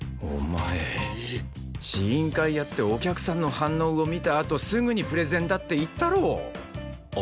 お前試飲会やってお客さんの反応を見たあとすぐにプレゼンだって言ったろ！